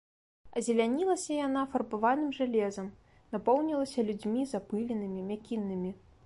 Азелянілася яна фарбаваным жалезам, напоўнілася людзьмі запыленымі, мякіннымі.